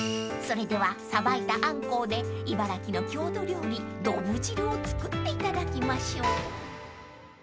［それではさばいたあんこうで茨城の郷土料理どぶ汁を作っていただきましょう］